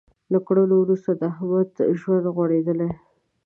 له کړاوونو وروسته د احمد ژوند غوړیدلی.